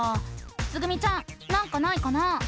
つぐみちゃんなんかないかな？